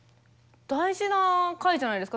大事な回じゃないですか？